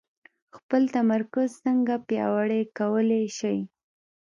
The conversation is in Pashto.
خپل تمرکز څنګه پياوړی کولای شئ؟